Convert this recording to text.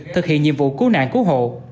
thực hiện nhiệm vụ cứu nạn cứu hộ